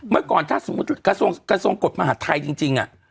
เมื่อก่อนถ้าสมมุติกระทรวงกฎมหาดไทยจริง